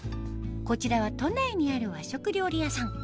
こちらは都内にある和食料理屋さん